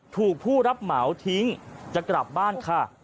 ถูกผู้รับเหมาทิ้งจะกลับบ้านค่ะ